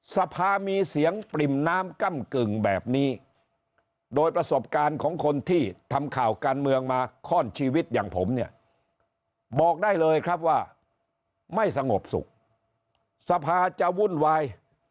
สภามีเสียงปริ่มน้ำก้ำกึ่งแบบนี้โดยประสบการณ์ของคนที่ทำข่าวการเมืองมาข้อนชีวิตอย่างผมเนี่ยบอกได้เลยครับว่าไม่สงบสุขสภาจะวุ่นวาย